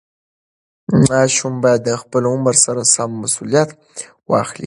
ماشوم باید د خپل عمر سره سم مسوولیت واخلي.